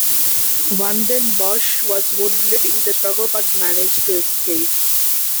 Van den Bossche was wounded in the struggle but managed to escape.